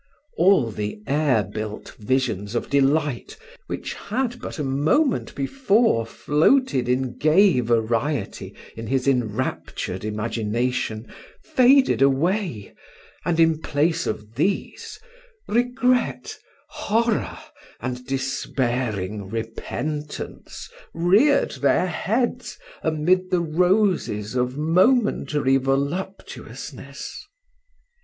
All the air built visions of delight, which had but a moment before floated in gay variety in his enraptured imagination, faded away, and, in place of these, regret, horror, and despairing repentance, reared their heads amid the roses of momentary voluptuousness.